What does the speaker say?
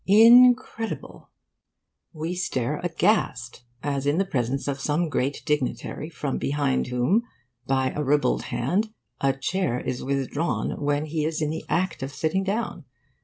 Incredible! We stare aghast, as in the presence of some great dignitary from behind whom, by a ribald hand, a chair is withdrawn when he is in the act of sitting down.